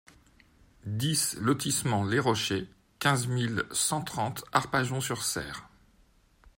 dix lotissement les Rochers, quinze mille cent trente Arpajon-sur-Cère